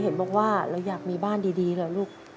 ลูกว่าเราอยากมีบ้านดีแล้วลูก